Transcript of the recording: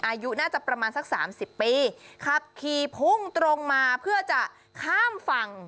อายุน่าจะประมาณสักสามสิบปีขับขี่พุ่งตรงมาเพื่อจะข้ามฝั่ง